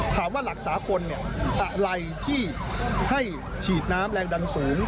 ถามว่าหลักสาปนอะไรที่ให้ฉีดน้ำแรงดังสูง